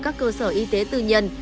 các cơ sở y tế tư nhân